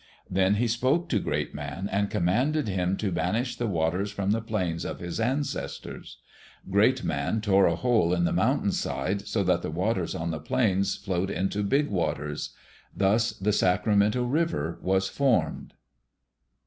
Then he spoke to Great Man and commanded him to banish the waters from the plains of his ancestors. Great Man tore a hole in the mountain side, so that the waters on the plains flowed into Big Waters. Thus the Sacramento River was formed.